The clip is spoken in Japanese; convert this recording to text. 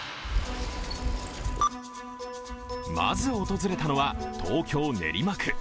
まず訪れたのは東京・練馬区。